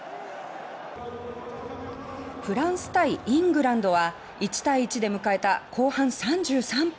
フランス対イングランドは１対１で迎えた後半３３分。